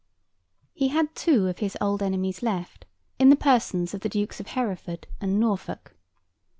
He had two of his old enemies left, in the persons of the Dukes of Hereford and Norfolk.